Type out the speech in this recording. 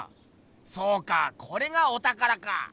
そうかこれがお宝か！